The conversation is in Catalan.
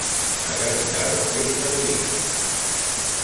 La capital es Bareilly.